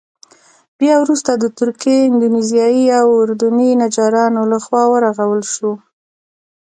بیا وروسته د تركي، اندونيزيايي او اردني نجارانو له خوا ورغول شو.